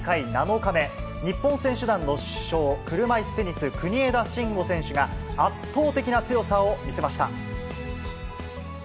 日本選手団の主将、車いすテニス、国枝慎吾選手が、圧倒的な強さを見せました。